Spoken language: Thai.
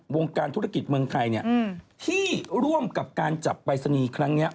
โรงการธุรกิจเมืองไทยเนี่ยที่ร่วมกับการจับไปรษณีย์ครั้งนี้